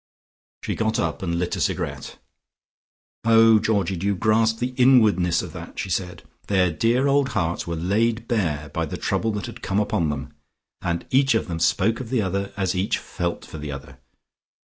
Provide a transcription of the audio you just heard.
She got up and lit a cigarette. "Oh, Georgie, do you grasp the inwardness of that?" she said. "Their dear old hearts were laid bare by the trouble that had come upon them, and each of them spoke of the other, as each felt for the other.